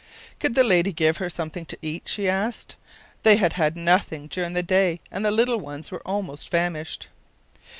Could the lady give her something to eat? she asked; they had had nothing during the day, and the little ones were almost famished.